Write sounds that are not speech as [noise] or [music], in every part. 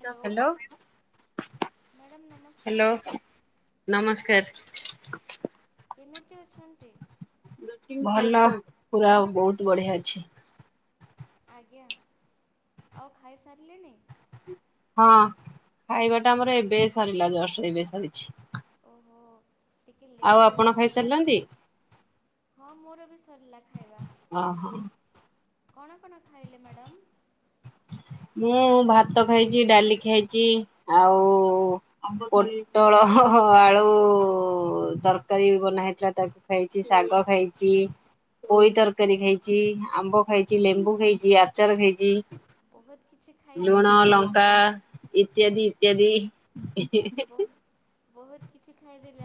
Hello madam ନମସ୍କାର hello ନମସ୍କାର। କେମିତି ଅଛନ୍ତି? ଭଲ ପୁରା ବୋହୁତ ବଢିଆ ଅଛି। ଆଜ୍ଞା ଆଉ ଖାଇସାରିଲେଣି? ହଁ ଖାଇବାଟା ଆମର ଏବେ ସରିଲା ଜଷ୍ଟ ଏବେ ସରିଚି। ଓହୋ ଟିକେ ଲେଟ୍ ହେଇଗଲା କୁହନ୍ତୁ ହଁ ମୋର ଏବେ ସରିଲା ଖାଇବା। ଓହୋ। କଣ ଆପଣ ଖାଇଲେ ମାଡ଼ାମ? ମୁଁ, ଭାତ ଖାଇଚି, ଡାଲି ଖାଇଚି, ଆଉ ପୋଟଳ ହ ଆଳୁ ଉ ତରକାରୀ ବନାହେଇଥିଲା ତାକୁ ଖାଇଚି, ଶାଗ ଖାଇଚି, ପୋଇ ତରକାରୀ ଖାଇଚି, ଆମ୍ବ ଖାଇଚି, ଲେମ୍ବୁ ଖାଇଚି, ଆଚାର ଖାଇଛି। ବହୁତ କିଛି ଖାଇଦେଲେ ଲୁଣ ମ୍ୟାଡ଼ାମ୍ ଲଙ୍କା ଇତ୍ୟାଦି ଇତ୍ୟାଦି ବହୁ ବହୁତ କିଛି ଖାଇ ଦେଲେ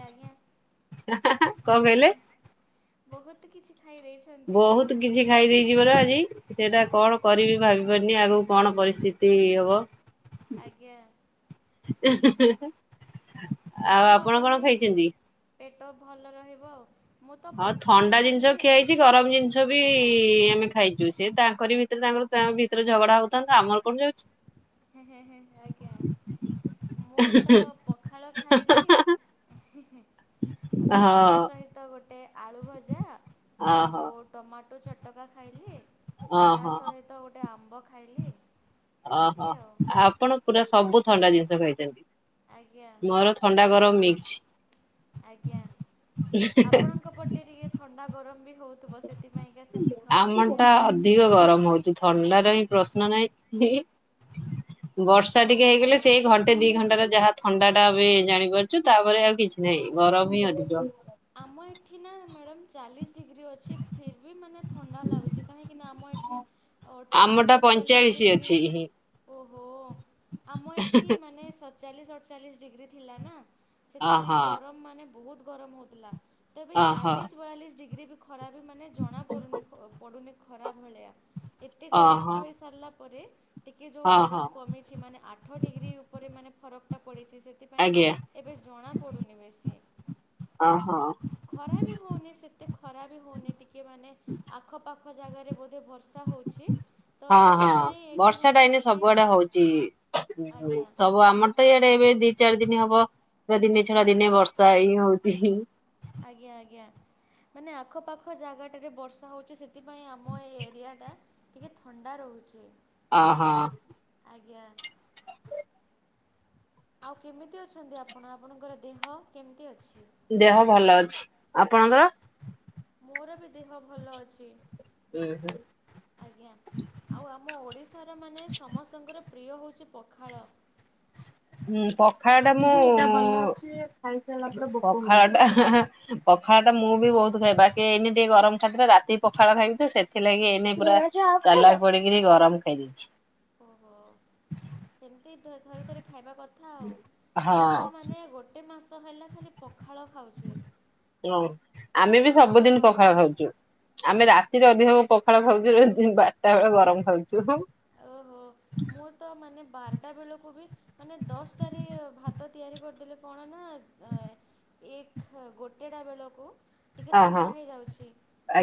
କଣ ଆଜ୍ଞା କହିଲେ ବହୁତ କିଛି ଖାଇ ଦେଇଛନ୍ତି ବହୁତ କହୁଛି କିଛି ଖାଇ ଦେଇଚି ପରା ଆଜି ସେଇଟା କଣ କରିବି ଭାବି ପାରୁନି ଆଗକୁ କଣ ପରିସ୍ଥିତି ହବ ଆଜ୍ଞା। ଆଉ ଆପଣ କଣ ଖାଇଚନ୍ତି? ଟ ଭଲ ରହିବ ଆଉ ହଁ ଥଣ୍ଡା ଜିନିଷ ଖିଆ ହେଇଚି ଗରମ ଜିନିଷ ବି ବି ଆମେ ଖାଇଚୁ ସେ ତାଙ୍କରି ଭିତରେ ତାଙ୍କର ତାଙ୍କ ଭିତରେ ଝଗଡା ହଉଥାନ୍ତୁ ଆମର କଣ ଯାଉଚି। ଆଜ୍ଞା ମୁଁ ତ ପଖାଳ ଖାଇଲି ପଖାଳ ହଁ ସହିତ ଗୋଟେ ଆଳୁ ଭଜା ଆଉ ଓହୋ ଯୋଉ ଟମାଟୋ ଚଟ ଟ କା ଖାଇଲି ତା ଓହୋ ସହିତ ଗୋଟେ ଆମ୍ବ ଖାଇଲି ସେ ଓହୋ ଆପଣ ପୁରା ସବୁ ଥଣ୍ଡା ଜିନିଷ ଆଜ୍ଞା ଖାଇଚନ୍ତି। ମୋର ଥଣ୍ଡା ଗରମ ମିକ୍ଛି ଆଜ୍ଞା ଆପଣଙ୍କ ପଟେ ଟିକେ ଥଣ୍ଡା ଗକର ବି ହଉଥିବ ସେଥିପାଇଁକା ସେମିତି ଆମ ଖାଉଛନ୍ତି ଟା ଆଉ ଅଧିକ ଗରମ ହଉଚ ଥଣ୍ଡା ପ୍ରଶ୍ନ ନହିଁ ବର୍ଷା ଟିକେ ଓହୋ ହେଇଗଲେ ସେଇ ଘଣ୍ଟେ ଦି ଘଣ୍ଟାର ଯାହା ଥଣ୍ଡା ଟା ବି ଜାଣିପାରୁଚୁ ତାପରେ ଆଉ କିଛି ନାହିଁ ଗରମ ହିଁ ଅଧିକ ଆମ ଏଠି ନା ମାଡ୍ୟାମ ଚାଲିଶ ଡିଗ୍ରୀ ଅଛି ଫିର ବି ମାନେ ଥଣ୍ଡା ଲାଗୁଚି କାହିଁକି ନା ଆମ ଏଠି ଅଠଚାଲିଶ ଆମଟା ସତଚାଳିଶ ପଇଁଚାଳିଶ ଡିଗ୍ରୀ ଅଛି ହିଁ ଓ ଆମ ଏଠି ମାନେ ସତ ଚାଳିଶ ଅଠଚାଳିଶ ଡିଗ୍ରୀ ଥିଲା ନା ଅହ ସେଥିପାଇଁ ଗରମ ମାନେ ବହୁତ ଗରମ ହ ଥିଲା ତ ଅହ ଚାଲିଶ ବାଳିଶ ଡିଗ୍ରୀ ବି ଖରାରୁ ମାନେ ଜଣା ପଡୁନି ପଡୁନି ଖରା ଭଳିଆ। ଏତେ ଗରମ ଓହୋ ସହୀ ସାରିଲା ପରେ ଟିକିଏ ଯେଉଁ ହଁ ହଁ ଗରମ କମିଛି ମାନେ ଆଠ ଡିଗ୍ରୀ ଉପରେ ମାନେ ଫରକ ଟା ପଡିଛି ସେଥିପାଇଁ ଆଜ୍ଞା ଏବେ ଜଣା ପଡୁନି ବେଶୀ ଓହୋ ଖରା ବି ହଉନି ସେ ଖରା ବି ହଉନି ଟିକେ ମାନେ ଆଖପାଖ ଖ ଜାଗାରେ ବ ହଁ ହଁ ସେଥିପାଇଁ ଏଠି ବର୍ଷା ମାନେ ଟା ଏଇନେ ଟିକେ ସବୁଆଡେ ହଉଛି ଆଜ୍ଞା ସବୁ ଆମର ତ ଇଆଡେ ଏବେ ଦି ଚାରି ଦିନ ହବ ଏ ଦିନେ ଛଡା ଦିନେ ବର୍ଷା ହିଁ ହଉଚି। ଆଜ୍ଞା ଆଜ୍ଞା ମାନେ ଆଖପାଖ ଜାଗାଟାରେ ବର୍ଷା ହଉଚି ସେ ସେଥିପାଇଁ ଆମ ଏଇ ଏରିଆଟା ଟିକେ ଥଣ୍ଡା ରହୁଛି। ଅ ହୋ। ଆଜ୍ଞା। ଆଉ କେମିତି ଅଛନ୍ତି ଆପଣ ଆପଣଙ୍କର ଦେହ କେମିତି ଅଛି? ଦେହ ଭଲ ଅଛି ଆପଣଙ୍କର? ମୋର ବି ଦେହ ଭଲ ଅଛି ଆଜ୍ଞା ଆଉ ଆମ ଓଡିଶାର ମାନେ ସମସ୍ତଙ୍କର ପ୍ରିୟ ହେଉଚି ପଖାଳ ହଁ ପଖାଳ ଟା ମୁଁ ପଖାଳ ଟା ପଖାଳ ଟା ମୁଁ ବି ବହୁତ ଖାଇବି ବାକି ଏଇନି ଟିକେ ଗରମ ଥିଲା ରାତି ପଖାଳ ଖାଇବି ସେଥିଲାଗି ଏଇନ ପୁରା ଚାଲାଖ ପଡିକିରି ଗରମ ଖାଇ ଦେଇଚି। ଓହୋ ସେମତ ତି ଥରେ ଥରେ ଖାଇବା କଥା ଆଉ ମୁଁ ହଁ। ତ ମାନେ ଗୋଟେ ମାସ ହେଲା ଖାଲି ପଖଳ ଖାଉଚି ହଁ ବି ଆମେ ସବୁଦିନ ଗରମ ପାଇଁ ଦିନରେ ପଖାଳ ଖାଉଚୁ ବାରଟା ବେଳେ ଗରମ ଖାଉଚୁ ଓହୋ ମୁଁ ତ ମାନେ ବାରଟା ବେଳକୁ ବି ମାନେ ଦଶଟାରେ ଭାତ ତିଆରି କରିଦେଲିି କଣ ନା ଏକ ଗୋଟେଟା ବେଳକୁ ଟିକେ ଓହୋ। ଥଣ୍ଡା ହେଇଯାଉଛି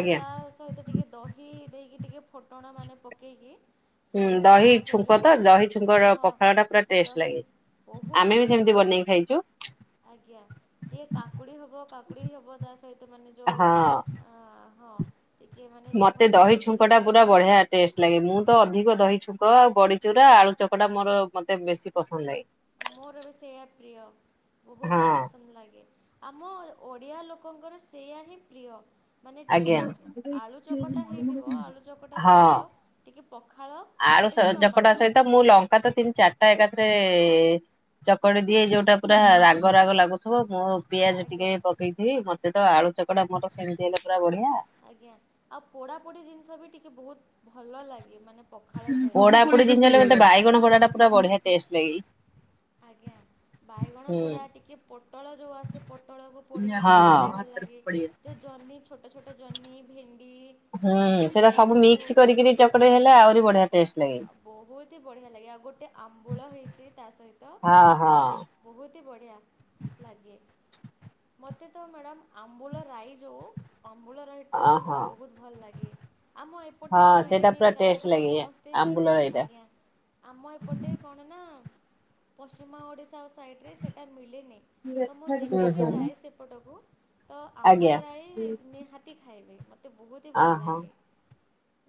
ତ ତା ସହିତ ଟିକେ ଦହି ଦେଇକି ଟିକେ ଫୁଟଣ ମାନେ ପକାଇକି ହୁଁ ଦହିଛୁ [unintelligible] ହଁ ଦହି ଲାଗେ। ବହୁତ ଆମେ ହି ବି ସେମିତି ସୁନ୍ଦର ବନେଇକି ଖାଇଛୁ ଆଜ୍ ଟିକେ କାକୁଡ଼ି ହବ କାକୁଡ଼ି ହବ ତା ସହିତ ମାନ ଯୋଉ ହଁ ହଁ। ଟିକେ ମାନେ ଯେଉଁ ମତେ ଦହି ଭଜାଭୁଜି ଛୁଙ୍କ ଟା ପୁରା ଜିନିଷଟା ବଢିଆ ଟେଷ୍ଟ ଲାଗେ ମୁଁ ତ ଅଧିକ ଦହି ଛୁଙ୍କ ବଡିଚୁରା ଆଳୁ ଚକଟା ମୋର ମତେ ବେଶୀ ପସନ୍ଦ ଲାଗେ। ମୋର ବି ସେଇଆ ପ୍ରିୟ ବହୁତ ହି ହଁ ପସନ୍ଦ ଲାଗେ ଆମ ଓ ଓଡ଼ିଆ ଲୋକଙ୍କର ସେୟା ହିଁ ପ୍ରିୟ। ମାନେ ଟିକେ ଆଜ୍ଞା ଆଳୁ ଚକଟା ହେଇଥିବ ଆଳୁ ଚକଟା ହଁ। ସହିତ ଟିକେ ପଖାଳ ଆଳୁ ଆଉ ଟିକେ ଟମାଟୋ। ସେ ଚକଡି ଦିଏ ଯୋଉଟା ପୁରା ରାଗ ରାଗ ଲାଗୁଥିବ ମୋ ପିଆଜ ଟିକେ ଆଜ୍ଞା ପକେଇଥିବି ମ ସେଟା ଆଳୁ ଚକଟା ମୋର ସେମିତି ହେଲ ପୁରା ବଢିଆ। ଆଜ୍ଞା ଆଉ ପୋଡାପୋଡି ଜିନିଷ ବି ଟିକେ ବହୁତ ଭଲ ଲାଗେ ମାନେ ପଖାଳ ସହିତ ପଡା ପୋଡି ଜିନିଷ ହେଲେ ମୋତେ ବାଇଗଣ ପୋଡାଟା ପୁରା ବଢ଼ିଆ ଟେଷ୍ଟ ଲଗେଇ। ଆଜ୍ଞା ବାଇଗଣ ପୋଡା ଟିକେ ପୋଟଳ ଯୋଉ ଆସେ ପୋଟଳକୁ ପୋଡିକି ହଁ। ଖାଇଲେ ବି ଭଲ ଲାଗେ ଯୋଉ ଜହ୍ନି ଛୋଟ ଛୋଟ ଜହ୍ନି ଭେ ହୁଁ ସେଇଟା ସବୁ ମିକ୍ସ କରିକରି ଚକଟେଇ ହେଲା ଆହୁରି ବଢିଆ ଟେଷ୍ଟ ଲାଗେ ଆଉ ବହୁତି ବଢ଼ିଆ ଲାଗେ ଆଉ ଗୋଟେ ଆମ୍ବୁଳ ହେଇଛି ତା ସହିତ ହଁ ହଁ। ବହୁତ ହି ବଢ଼ିଆ ଲାଗେ। ମତେ ତ ମ୍ୟାଡ଼ାମ ଆମ୍ବୁଲ ରାଇ ଯୋଉ ଅମ୍ବୁଳ ରାଇତା ତ ଓହୋ ମୋତେ ବହୁତ ଭଲ ଲାଗେ। ଆମ ଏପଟେ ହଁ ତ ସେଇଟା ମିଳେନି ପୁରା ଟେଷ୍ଟ ପ୍ରାୟତଃ ଲାଗେ ସମସ୍ତେ ଆମ୍ବୁଲ ଏଇଟା। ଆଜ୍ଞା ଆମ ଏପଟେ କଣ ନାଁ ନା ପଶ୍ଚିମା ଓଡିଶା ଓ ସାଇଡି ରେ ସେଟା ମିଲେନି ତ ମୁଁ ହୁଁ ଯେବେ ବି ହୁଁ ଯାଏ ସେପଟକୁ ତ ଆମ୍ବୁଳ ଆଜ୍ଞା ରାଇ ନିହାତି ଖାଇବି ମୋତେ ବହୁତ ହିଁ ଭଲ ଓହୋ ଲାଗେ।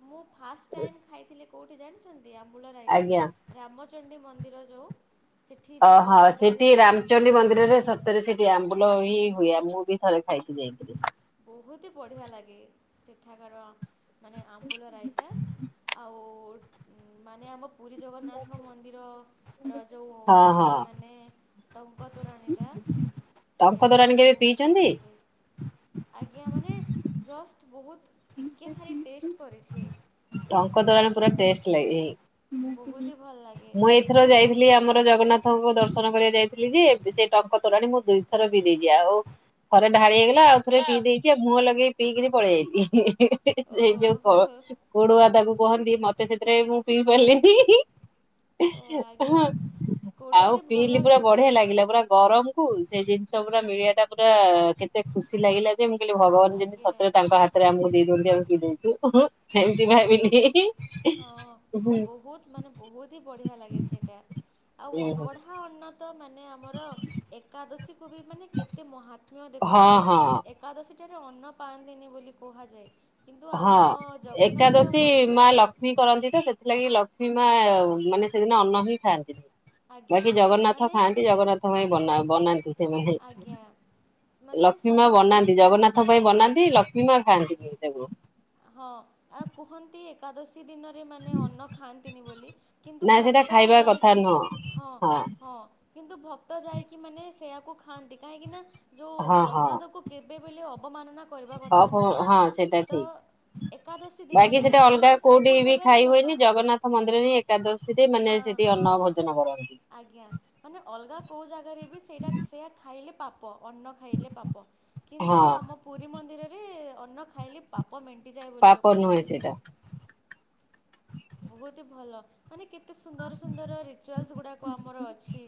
ମୁଁ ଫାଷ୍ଟ ଟାଇମ୍ ଖାଇଥିଲି କଉଁଠି ଜାଣିଚନ୍ତି? ଆମ୍ବୁଳ ରାଇଟା ଆଜ୍ଞା। ରାମଚଣ୍ଡୀ ମ ମନ୍ଦିର ଯୋଉ ସେଠି ଯୋଉ ଓହୋ ପ୍ରସାଦ ସେଠି ଦିଅନ୍ତି ରାମଚଣ୍ଡୀ ମନ୍ଦିରରେ ସତରେ ସେଠି ଆମ ଭଲ ହିଁ ହୁଏ ମୁଁ ବି ଥରେ ଖାଇଚି ଯାଇଥିଲି। ବହୁତି ବଢ଼ିଆ ଲାଗେ ସେଠାକାର ମାନେ ଆମ୍ବୁଳ ରାଇଟା ଆଉ ମାନେ ଆମ ପୁରୀ ଜଗନ୍ନାଥ ମନ୍ଦିର ର ଯୋଉ ହଁ ହଁ ଆସେ ମାନେ ଡଙ୍କ ତୋରାଣୀ ଟା ଟଙ୍କ ତୋରାଣି କେବେ ପିଇଛନ୍ତି? ଆଜ୍ଞା ମାନେ ଜଷ୍ଟ ବହୁତ ଟିକେ ଖାଲି ଟେଷ୍ଟ କରିଛି। ଟଙ୍କ ଦୋରାଣି ପୁରା ଟେଷ୍ଟ ଲାଗେ। ବହୁତ ହି ଭଲ ଲାଗେ ମୁଁ ଏଇଥର ମାନେ ଯାଇଥିଲି ଆମର ଜଗନ୍ନାଥଙ୍କୁ ଦର୍ଶନ ଦ କରିବା ଯାଇଥିଲି ଯେ ସେ ଟଙ୍କ ତୋରାଣି ମୁଁ ଦୁଇଥର ପି ଦେଇଛି। ଆଉ ଥରେ ଢାଳି ହେଇଗ ଆଉଥରେ ପିଇ ଦେଇ ଆଉ ମୁହଁ ଲଗେଇ ପାଇକିରି ପଳେଇଆଇଲି। ସେଇ ଓହୋ ଯୋଉ ହୋ ହୋ କର ଦବାକୁ କହନ୍ତି ମତେ ସେଥିରେ ମୁଁ ପିଇ ପାରିଲିନି ଓ ଆଜ୍ଞା ଆଉ କୋଡ଼ୁଆରେ ଭଲ ପିଇଲିି ପୁରା ଲାଗେ ବଢିଆ ଲାଗିଲା ପୁରା ଗରମ ସେ ଜିନିଷ ପୁରା ମିଳିବା ଟା ପୁରା କେତେ ଖୁସି ଲାଗିଲା ଯେ ଭଗବାନ ଯଦି ଆଜ୍ଞା ସତରେ ତାଙ୍କ ହାତରେ ଆମକୁ ଦେଇଦଉନ୍ତୁ ମକି ଦେଇଛୁ ସେମିତି ଖାଇବିନି। ହଁ ବହୁତ ମାନେ ବହୁତ ହି ବଢିଆ ଲାଗେ ସେଇଟା ଆଉ ଅବଢା ଅନ୍ନ ତ ମାନେ ଆମର ଏକାଦଶୀ ବି ମାନେ କେତେ ମହା ହଁ ଦେଖନ୍ତୁ ହଁ ଏକାଦଶୀ ଏଟା ରେ ଅନ୍ନ ପାଆନ୍ତିନି ବୋଲି କୁହାଯାଏ। କିନ୍ତୁ ହଁ ଆମ ଜଗନ୍ନାଥ ଏକାଦଶୀ ମା ମନ୍ଦିରରେ ଲକ୍ଷ୍ମୀ ଲଷ୍ମୀ କରନ୍ତି ତ ସେଥିଲାଗି ଲକ୍ଷ୍ମୀ ମା ମାନେ ସେଦିନ ଅନ୍ନ ହିଁ ଖାଆନ୍ତିନି। ଆଜ୍ଞା ବାକି ଜଗନ୍ନାଥ ମାନେ ଖାଆନ୍ତି ଜଗନ୍ନାଥ ପାଇଁ ବନା ବନାନ୍ତି। ଆଜ୍ଞା ମାନେ ଲକ୍ଷ୍ମୀ ମା ସମସ୍ତେ ବନାନ୍ତି ସେଠି ଜଗନ୍ନାଥ ପାଇଁ ବନାନ୍ତି ଲକ୍ଷ୍ମୀ ବିମା ଖାଆନ୍ତିନି ତାକୁ ହଁ ଆଉ କୁହନ୍ତି ଏକାଦଶୀ ଦିନ ରେ ମାନେ ଅନ୍ନ ଖାଆନ୍ତିନି ବୋଲି କିନ୍ତୁ ନା ସେଇଟା ଭକ୍ତ ଖାଇବା କଥା ଯାଇକି ନୁହଁ ହଁ ହଁ କିନ୍ତୁ ଭକ୍ତ ଯାଇକି ମାନେ ସେଇୟାକୁ ଖାଆନ୍ତି କାହିଁକି ନା ଯୋଉ ହଁ ପ୍ରସାଦ କୁ କେବେବେଲେ ଅବମାନନା କରିବା ହଁ କଥା ହୋ ନୁହଁ ହଁ ସେଟା ତ ଠିକ୍। ଏକାଦଶୀ ବାକି ଦିନରେ ସେଟା ଅଲଗା ମାନେ ସବୁ କୋଉଠି ବି ଜାଗାରେ ଖାଇ ମନା ହୁଏନି ଜଗନ୍ନାଥ ମନ୍ଦିରରେ ଏକାଦଶୀରେ ଆ ମାନେ ସେଠି ହଁ ଅନ୍ନ ଭୋଜନ କରନ୍ତି। ଗା କୋଉ ଜାଗାରେ ବି ସେଇଟା ସେଇଆ ଖାଇଲେ ପା ପ ଅନ୍ନ ଖାଇଲେ ପାପ। କିନ୍ତୁ ହଁ ଆମ ପୁରୀ ମନ୍ଦିର ରେ ଅନ୍ନ ଖାଇଲେ ପାପ ମେ ଣ୍ଟି ଯାଏ ବୋଲି ପାପ ଲୋକ ନୁହେଁ କୁହନ୍ତି। ସେଇଟା ବୋହୁତି ଭଲ। ମାନେ କେତେ ସୁନ୍ଦର ସୁନ୍ଦର ରିଚୁଆଲ୍ସ ଗୁଡ଼ାକ ଆମର ଅଛି।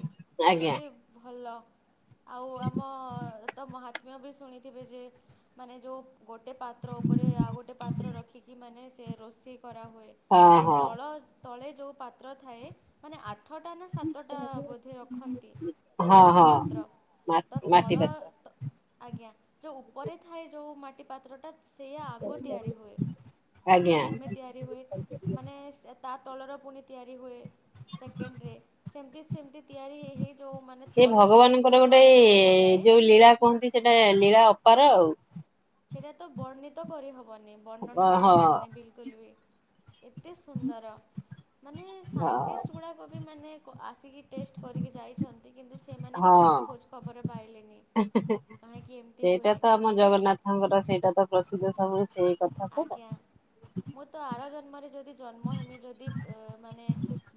ଆଜ୍ଞା କେତେ ଭଲ ଆଉ ଆମ ତ ମହାତ୍ମ୍ୟ ବି ଶୁଣିଥିବେ ଯେ ମାନେ ଯୋଉ ଗୋଟେ ପାତ୍ର ଉପରେ ଆଉ ଗୋଟେ ପାତ୍ର ରଖିକି ମା ନେ ସେ ରୋଷେଇ କରା ହୁଏ। ଓ ହୋଉ। ତଳେ ଯୋଉ ପାତ୍ର ଥାଏ ମାନେ ଆ ଆଠଟା ନା ସାତଟା ବୋଧେ ରଖନ୍ତି ହଁ ମାଟି ହଁ ପାତ୍ର ମା ତ ତଳ ମାଟି ପାତ୍ର ତ ଆଜ୍ଞା ଯଉ ଉପରେ ଥାଏ ଯୋଉ ମାଟି ପାତ୍ରଟା ସେଇ ଆଗ ତିଆରି ହୁଏ। ଆଜ୍ଞା। ପ୍ରଥମେ ତିଆରି ହୁଏ। ମାନେ ତା ତଳର ପୁଣି ତିଆରି ହୁଏ ସେକେଣ୍ଡରେ ସେମିତି ସେମିତି ତିଆରି ହେଇ ହେଇ ଯେଉଁମାନେ ସେ ତଳେ ଭଗବାନଙ୍କର ସବୁଠାରୁ ଗୋଟେ ତଳରେ ଥଉ ଯାଏ ଯୋଉ ଲୀଳା କୁହନ୍ତି ସେଟା ଲୀଳା ଅପାର ଆଉ। ସେଟା ତ ବର୍ଣ୍ଣିତ କରି ହ ବନି ହଁ ବର୍ଣ୍ଣନା ହଁ କରି ହବନି ବିଲକୁଲ ବି। ଏତେ ସୁନ୍ଦର ମାନେ ସାଇଣ୍ଟିଷ୍ଟ ଗୁଡ଼ାକ ବି ମାନେ ଆସିକି ଟେଷ୍ଟ କରିକି ଯାଇଛନ୍ତି। କିନ୍ତୁ ସେମାନେ ବି ହଁ। କିଛି ଖୋଜ ଖବର ପାଇଲେନି କାହିଁକି ଏମିତି ସେଇଟା ହୁଏ। ତ ଆମ ଜଗନ୍ନାଥଙ୍କର ସେଇଟା ତ ପ୍ରସିଦ୍ଧ ସବୁ ସେ ଆଜ୍ଞା। ମୁଁ ତ ଆର ଜ ମରେ ଯଦି ଜନ୍ମ ହେମି ଯଦି ମାନେ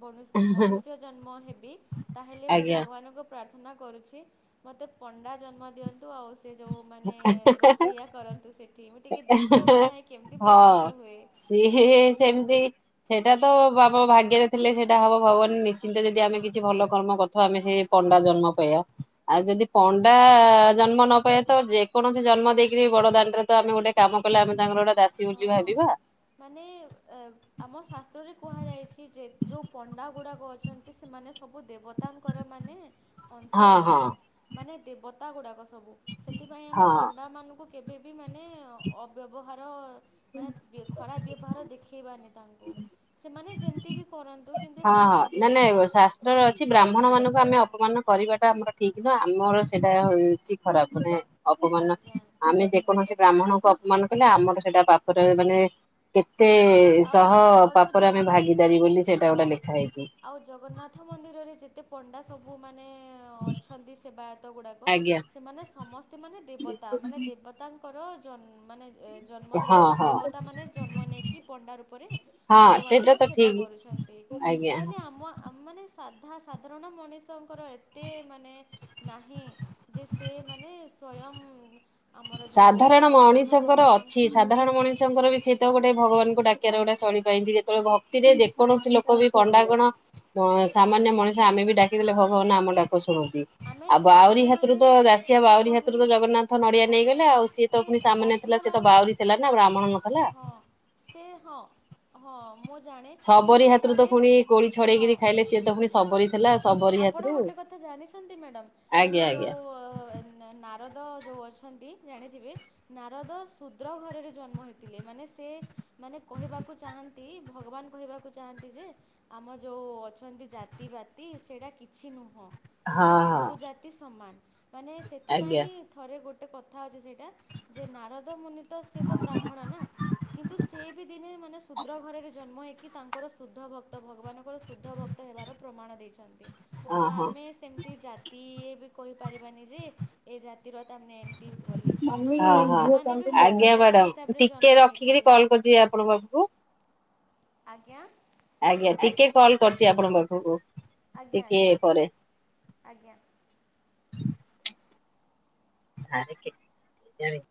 ମନୁଷ୍ୟ ଜନ୍ମ ହେବି। ତାହେଲେ ମୁଁ ଆଜ୍ଞା। ଭଗବାନଙ୍କୁ ପ୍ରାର୍ଥ ପ୍ରାର୍ଥନା କରୁଛି ମତେ ପଣ୍ଡା ଜନ୍ମ ଦିଅନ୍ତୁ। ଆଉ ଯୋଉ ମାନେ ରୋଷେଇଆ କରନ୍ତୁ ସେଠି ମୁଁ ଟିକେ ଦେଖିବାକୁ ଚାହେଁ କେମିତି ହଁ ପ୍ରସ୍ତୁତ ହୁଏ। ସିଏ ସେମ ସେଇଟା ତ ବାପ ଭାଗ୍ୟରେ ଥିଲେ ସେଇଟା ହବ ଭଗବାନ ନିଶ୍ଚିନ୍ତ ଯଦି ଆମେ କିଛି ଭଲ କର୍ମ କରିଥିବା ଆମେ ସେ ପଣ୍ଡା ଜନ୍ମ ପାଇବା। ଆଉ ଯଦି ପଣ୍ଡା ଜନ୍ମ ନ ପାଇବା ତ ଯେକୌଣସି ଜନ୍ମ ଦେଇକିରି ବଡଦାଣ୍ଡରେ ତ ଆମେ ଗୋଟେ କାମ କଲେ ଆମେ ତାଙ୍କର ଗୋଟେ ଦାସୀ ବୋଲି ହଁ ଭାବିବା। ମାନେ ଆମ ଶାସ୍ତ୍ରରେ କୁହାଯାଇଛି ଯେ ଯୋଉ ପଣ୍ଡା ଗୁଡାକ ଅଛନ୍ତି ସେମାନେ ସବୁ ଦେବ ତାଙ୍କର ମାନେ ଅଂଶ ହଁ ହଁ ଗୁଡ଼ାକ ମାନେ ଦେବ ତା ଗୁଡାକ ସବୁ ସେଥିପାଇଁ ଆମେ ହଁ। ପଣ୍ଡାମାନଙ୍କୁ କେବେ ବି ମାନେ ଅବ୍ୟବହାର ମାନେ ବ୍ୟବହାର ଦେଖେଇବାନି ତାଙ୍କୁ। ସେମାନେ ଯେମିତି ବି କରନ୍ତୁ କିନ୍ତୁ ହଁ ହଁ ସେମାନେ ନାନ ଦେବତା ଶାସ୍ତ୍ରରେ ଅଛି ବ୍ରାହ୍ମଣ ମାନଙ୍କୁ ହଁ ଆମେ ଅପମାନ କରିବାଟା ଆମର ଠିକ କିନ୍ତୁ ଆମର ସେଇଟା ହଉଛି ଖରାପ ମାନେ ଅପମାନ ଆଜ୍ଞା ଆମେ ଯେ କୌଣସି ବ୍ରାହ୍ମଣଙ୍କୁ ଅପମାନ କଲେ ଆମର ସେଇଟା ପାପରେ ମାନେ କେ କେତେ ଆଉ ସହ ଆଉ ଯେଉଁ ପାପରେ ଆମେ ଜଗନ୍ନାଥ ଭାଗିଦାରୀ ବୋଲି ସେ ହଁ ଆଉ ଜଗନ୍ନାଥ ମନ୍ଦିରରେ ଯେତେ ପଣ୍ଡା ସବୁ ମାନେ ମାନେ ଅଛନ୍ତି ସେବାୟତ ଗୁଡ଼ାକ ଆଜ୍ଞା ସେମାନେ ସମସ୍ତେ ମାନେ ଦେବତା ମାନେ ଦେବତାଙ୍କ କର ଜନ୍ମ ମାନେ ଜନ୍ମ ହଁ ନେଇ ହଁ ଦେବତା ମାନେ ଜନ୍ମ ନେଇକି ପଣ୍ଡା ରୂପରେ ହଁ ସେଇଟା ଭଗବାନଙ୍କ ତ ସେବା ଠିକ କରୁଛନ୍ତି। ଆଜ୍ଞା। ନହେଲେ ଆମ ଆମ ମାନେ ତାହା ସାଧାରଣ ମଣିଷଙ୍କର ଏତେ ମାନେ ନାହିଁ ଯେ ସେ ମାନେ ସ୍ଵୟଂ ଆମର ଯେଉଁ ସାଧାରଣ ଜଗନ୍ନାଥ ମଣିଷଙ୍କର ଭଗବାନ ଅଛି ସାଧାରଣ ମଣିଷଙ୍କର ବି ସେ ତ ଗୋଟେ ଭଗବାନଙ୍କୁ ଡାକିବାର ଗୋଟେ ଶୈଳି ପାଇଛନ୍ତି, ଯେତେବେଳେ ଭତିରେ ଯେକୌଣସି ଲୋକ ବି ପଣ୍ଡା କଣ ଅଁ ସାମାନ୍ୟ ମଣିଷ ଆମେ ବି ଡାକିଦେଲେ ଭଗବାନ ଆମ ଡାକ ଶୁଣୁ ଆମେ ଆଉ ବାଉରି ହାତୁରୁ ଆମେମାନେ ତ ଦାସିଆ ମୁଁ ବାଉରି ହାତୁରୁ କହିବି ତ ଜଗନ୍ନାଥ ନଡିଆ ଆଜ୍ଞା ନେଇଗଲେ ଆଉ ସିଏ ତ ସେ ପୁଣି ସାମାନ୍ୟ ଥିଲା ଦାସିଆ ସିଏ ତ ବାଉରି ଥିଲା ନା ବ୍ରାହ୍ମଣ ନଥିଲା। ହଁ ସେ ହଁ ହଁ। ମୁଁ ଜାଣେ ଶବରୀ କିନ୍ତୁ ହାତୁରୁ ତ ଥରେ ପୁଣି କୋଳି ଛଡେଇ ହଁ କିରି ଖାଇଲେ ସିଏ ତ ପୁଣି ଶବରୀ ଥିଲା ଶବରୀ ଆପଣ ହାତରୁ ଗୋଟେ କଥା ଜାଣିଛନ୍ତି ମ୍ୟାଡମ୍ ଆଜ୍ଞା ମାନେ ଆଜ୍ଞା ଯୋଉ ନା-ନା ନାରଦ ଯୋଉ ଅଛନ୍ତି ଜାଣିଥିବେ ନାରଦ ଶୁଦ୍ର ଘରରେ ଜନ୍ମ ହେଇଥିଲେ, ମାନେ ସେ ମାନେ କହିବାକୁ ଚାହାଁନ୍ତି ଭଗବାନ କହିବାକୁ ଚାହାଁନ୍ତି ଯେ ଆମ ଯୋଉ ଅଛନ୍ତି ଜାତି ବାତି ସେ ଏହା କିଛି ନୁହଁ। ହଁ ମାନେ ହଁ ସବୁ ଜାତି ସମାନ। ମାନେ ସେଥିପାଇଁ ଆଜ୍ଞା ଥରେ ଗୋଟ ଗୋଟେ କଥା ଅଛି ସେ ଇଟା ଯେ ନାରଦ ମୁନି ତ ସେ ତ ବ୍ରାହ୍ମଣ ନା, କିନ୍ତୁ ସେ ବି ଦିନେ ମାନେ ଶୁଦ୍ର ଘରରେ ଜନ୍ମ ହେଇ କି ତାଙ୍କର ଶୁଦ୍ଧ ଭକ୍ତ, ଭଗବାନଙ୍କର ଶୁଦ୍ଧ ଭକ୍ତ ହେବାର ପ୍ରମାଣ ଦେଇଛନ୍ତି। ହଁ ତ ହଁ। ଆମେ ସେମିତି ଜାତି ଇଏ ବି କହିପାରିବାନି ଯେ ଏଜା ର ତା ମେଏମିତି ବୋଲି, କାହିଁକି ହଁ ନା ହଁ ସେମାନେ ବି ଗୋଟେ ଆଜ୍ଞା ଦେବତା ମ୍ୟାଡାମ ହିସାବରେ ଟିକେ ଜନ୍ମ ରଖିକିରି ହେଇଥିବେ। କଲ୍ କରୁଛି ଆପଣଙ୍କ ପାଖକୁ ଆଜ୍ଞା ଆଜ୍ଞା, ଟିକେ କଲ୍ କରୁଚି ଆପଣଙ୍କ ପାଖକୁ। ହୋ-ଓ। ଆଜ୍ଞା ଆଜ୍ଞା ଆଜ୍ଞା। ସାରେ କେ ଜାଣିବୁ।